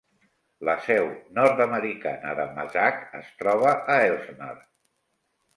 La seu nord-americana de Mazak es troba a Elsmere.